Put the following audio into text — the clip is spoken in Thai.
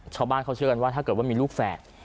ชาวบ้านเขาเชื่อกันว่าถ้าเกิดว่ามีลูกแฝด